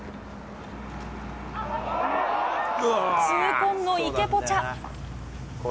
痛恨の池ポチャ。